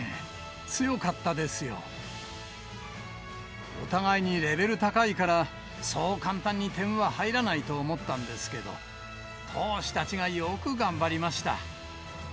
強かったですよ。お互いにレベル高いから、そう簡単に点は入らないと思ったんですけど、投手たちがよく頑張りました。